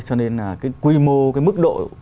cho nên là cái quy mô cái mức độ